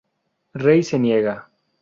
Rey se niega.